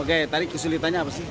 oke tadi kesulitannya apa sih